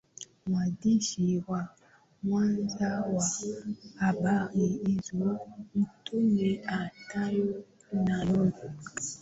mwandishi wa kwanza wa habari hizo Mtume Mathayo na Luka